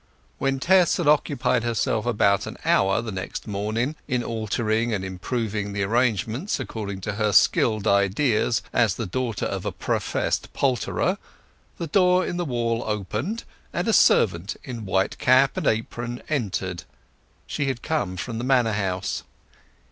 When Tess had occupied herself about an hour the next morning in altering and improving the arrangements, according to her skilled ideas as the daughter of a professed poulterer, the door in the wall opened and a servant in white cap and apron entered. She had come from the manor house.